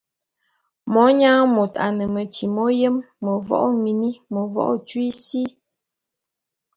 Monyang môt a ne metyi m'oyém; mevo'o ô mini, mevo'o ô tyui sí.